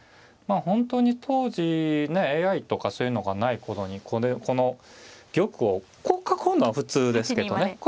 まあ本当に当時ねＡＩとかそういうのがない頃にこの玉をこう囲うのは普通ですけどね。